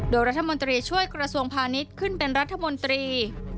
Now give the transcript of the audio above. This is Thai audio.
โดยรัฐมนตรีช่วยกระทรวงพาณิชย์ขึ้นเป็นรัฐมนตรี